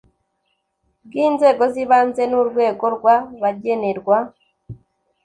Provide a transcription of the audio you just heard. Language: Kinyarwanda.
Bw inzego z ibanze n urwego rwa bagenerwa